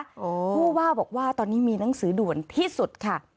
ผู้ว่าบอกว่าตอนนี้มีหนังสือด่วนที่สุดค่ะ